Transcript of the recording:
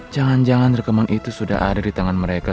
jangan jangan rekaman itu sudah ada di tangan mereka